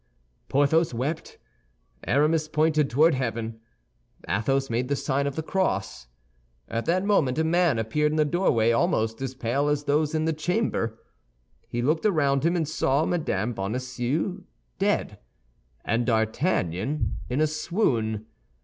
Porthos wept; Aramis pointed toward heaven; Athos made the sign of the cross. At that moment a man appeared in the doorway, almost as pale as those in the chamber. He looked around him and saw Mme. Bonacieux dead, and D'Artagnan in a swoon.